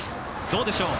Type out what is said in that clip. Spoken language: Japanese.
どうでしょう？